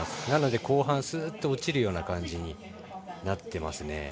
なので、後半すーっと落ちるような感じになっていますね。